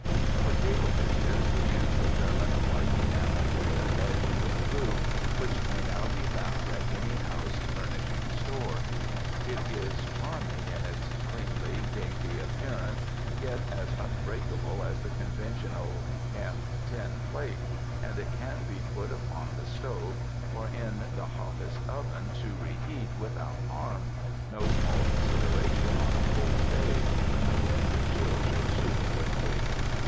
For table dishes we use the German white enamel ware edged with blue, which may now be found at any house furnishing store. It is charming in its cleanly, dainty appearance, yet as unbreakable as the conventional camp tin plate, and it can be put upon the stove or in the hottest oven to reheat with 58 THE MOUNTAINS out harm — no small consideration on a cold day when the wind chills your soup quickly.